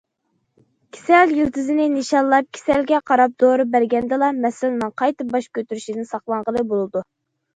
كېسەل يىلتىزىنى نىشانلاپ، كېسەلگە قاراپ دورا بەرگەندىلا مەسىلىنىڭ قايتا باش كۆتۈرۈشىدىن ساقلانغىلى بولىدۇ.